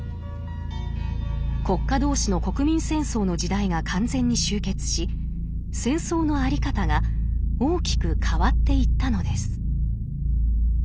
国家同士の「国民戦争」の時代が完全に終結し戦争の在り方が大きく変わっていったのです。